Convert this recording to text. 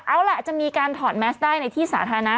เอาล่ะจะมีการถอดแมสได้ในที่สาธารณะ